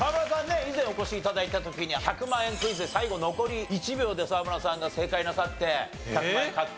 以前お越し頂いた時には１００万円クイズで最後残り１秒で沢村さんが正解なさって１００万円獲得。